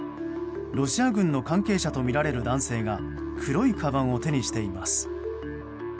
ロシア軍の関係者とみられる男性が黒いかばんを手にしています。